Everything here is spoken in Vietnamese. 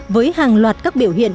với hàng loạt các biểu hiện